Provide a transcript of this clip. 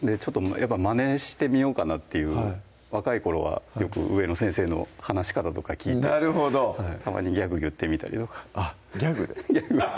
まねしてみようかなっていう若い頃はよく上の先生の話し方とか聞いたりなるほどたまにギャグ言ってみたりとかギャグ？